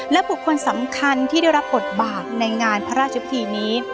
และบุคคลสำคัญที่ได้รับบทบาทในงานพระราชพิธีนี้